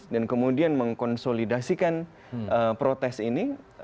dan kemudian mengkonsolidasikan protes ini